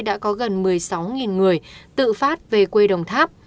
tính từ ngày một tháng một mươi đến nay đã có gần một mươi sáu người tự phát về quê đồng tháp